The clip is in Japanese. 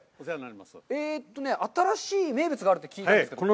えっとね、新しい名物があるって聞いたんですけれども。